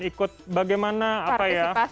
ikut bagaimana apa ya partisipasinya mereka ketika ada